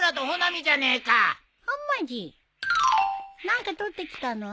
何か取ってきたの？